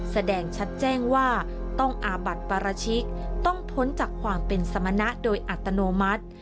แสดงชัดแจ้งว่าต้องอาบัติปราชิกต้องพ้นจากความเป็นสมณะโดยอัตโนมัติ